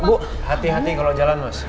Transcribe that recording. bu hati hati kalau jalan mas